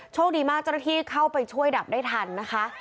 โชคดีมากจรภีร์เข้าไปช่วยดับได้ทันนะคะ